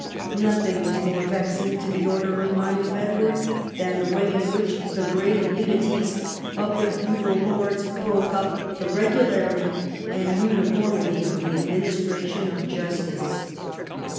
Nothing was more vexing to the orderly mind of Edward than the way in which the great immunities of the feudal lords broke up the regu larity and uniformity of the administration of justice.